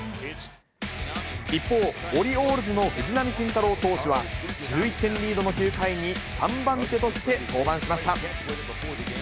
一方、オリオールズの藤浪晋太郎投手は、１１点リードの９回に３番手として登板しました。